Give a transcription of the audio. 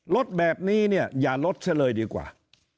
รถแบบนี้เนี่ยอย่าลดซะเลยดีกว่า